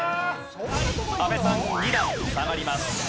阿部さん２段下がります。